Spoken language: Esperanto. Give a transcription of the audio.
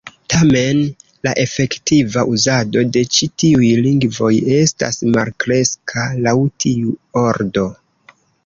Tamen, la efektiva uzado de ĉi tiuj lingvoj estas malkreska laŭ tiu ordo.